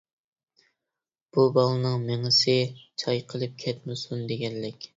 بۇ بالىنىڭ مېڭىسى چايقىلىپ كەتمىسۇن، دېگەنلىك.